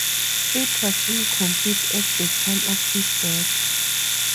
It was incomplete at the time of his death.